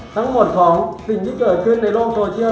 ทั้งหมดของสิ่งที่เกิดขึ้นในโลกโซเชียล